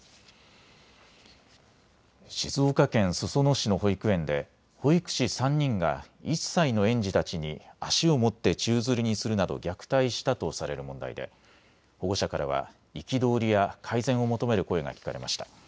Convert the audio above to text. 静岡県裾野市の保育園で保育士３人が１歳の園児たちに足を持って宙づりにするなど虐待したとされる問題で保護者からは憤りや改善を求める声が聞かれました。